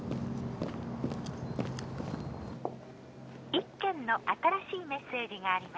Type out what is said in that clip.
１件の新しいメッセージがあります。